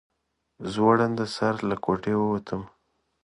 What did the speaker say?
زوړنده سر له کوټې ووتلم.